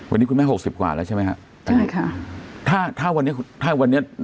วันนี้คุณแม่หกสิบกว่าแล้วใช่ไหมฮะใช่ค่ะถ้าถ้าวันนี้ถ้าวันนี้